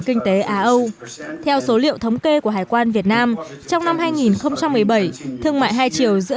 kinh tế á âu theo số liệu thống kê của hải quan việt nam trong năm hai nghìn một mươi bảy thương mại hai chiều giữa